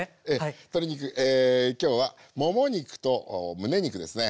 鶏肉今日はもも肉とむね肉ですね。